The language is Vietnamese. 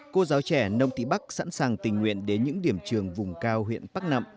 cô giáo trẻ nông thị bắc sẵn sàng tình nguyện đến những điểm trường vùng cao huyện bắc nậm